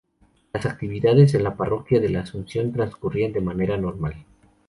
Las actividades en la parroquia de la Asunción transcurrían de manera normal.